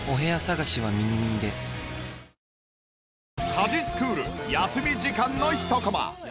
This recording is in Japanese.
家事スクール休み時間のひとコマ。